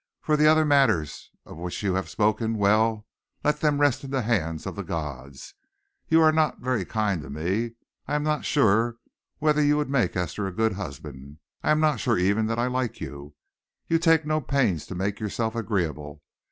For the other matters of which you have spoken, well, let them rest in the hands of the gods. You are not very kind to me. I am not sure whether you would make Esther a good husband. I am not sure, even, that I like you. You take no pains to make yourself agreeable.